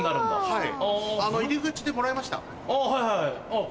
はい。